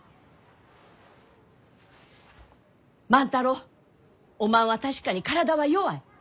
万太郎おまんは確かに体は弱い。